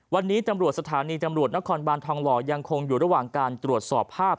วันนี้ตำรวจสถานีตำรวจนครบานทองหล่อยังคงอยู่ระหว่างการตรวจสอบภาพ